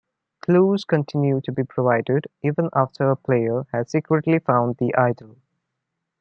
Clues continue to be provided even after a player has secretly found the idol.